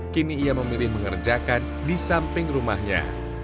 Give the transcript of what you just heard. kini ia memilih mengerjakan di samping rumahnya